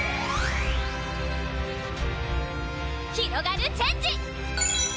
ひろがるチェンジ！